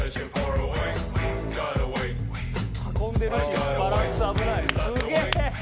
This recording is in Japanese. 運んでるしバランス危ないすげえ！